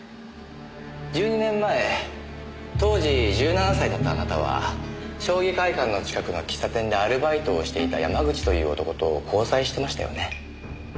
１２年前当時１７歳だったあなたは将棋会館の近くの喫茶店でアルバイトをしていた山口という男と交際してましたよね。